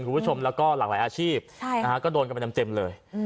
คุณผู้ชมแล้วก็หลากหลายอาชีพก็โดนกันไปเต็มเลย